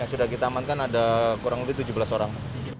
yang sudah kita amankan ada kurang lebih tujuh belas orang